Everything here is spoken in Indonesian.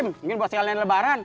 mungkin buat sekalian lebaran